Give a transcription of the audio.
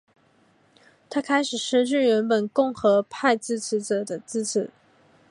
他开始失去原本共和派支持者的支持。